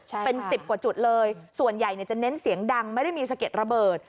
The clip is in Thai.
ใช่เป็นสิบกว่าจุดเลยส่วนใหญ่เนี่ยจะเน้นเสียงดังไม่ได้มีสะเด็ดระเบิด